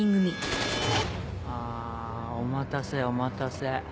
あお待たせお待たせ。